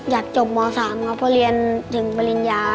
อยากจบม๓ครับเพราะเรียนถึงปริญญา